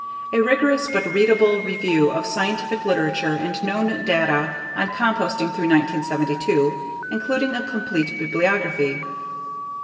A rigorous but readable review of scientific literature and known data on composting through 1972 including a complete bibliography.